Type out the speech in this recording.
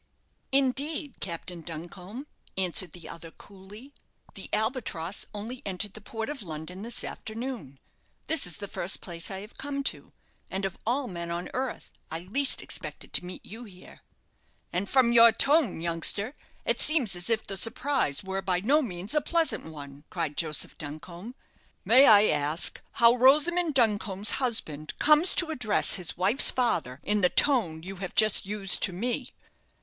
"Indeed, Captain Duncombe," answered the other, coolly; "the 'Albatross' only entered the port of London this afternoon. This is the first place I have come to, and of all men on earth I least expected to meet you here." "And from your tone, youngster, it seems as if the surprise were by no means a pleasant one," cried Joseph Duncombe. "May I ask how Rosamond Duncombe's husband comes to address his wife's father in the tone you have just used to me?"